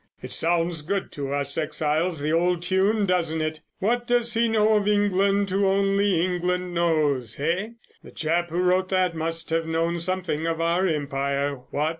"It sounds good to us exiles—the old tune—doesn't it? 'What does he know of England who only England knows?' Eh? The chap who wrote that must have known something of our Empire—what?